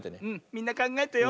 みんなかんがえてよ。